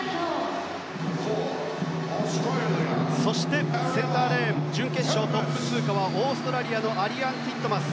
そして、センターレーン準決勝トップ通過はオーストラリアのアリアン・ティットマス。